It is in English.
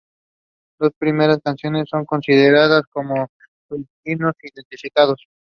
The medal awarding ceremony usually takes place at the Baku Olympic Stadium.